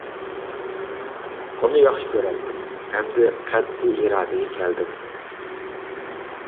ئۇنى ياخشى كۆرەتتىم، ئەمدى قەتئىي ئىرادىگە كەلدىم.